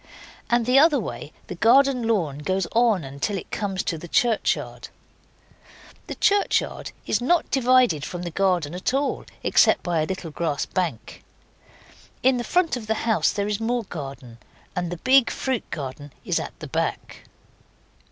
And the other way the garden lawn goes on till it comes to the churchyard. The churchyard is not divided from the garden at all except by a little grass bank. In the front of the house there is more garden, and the big fruit garden is at the back.